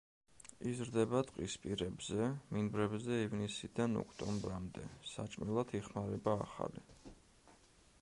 იზრდება ტყისპირებზე, მინდვრებზე ივნისიდან ოქტომბრამდე, საჭმელად იხმარება ახალი.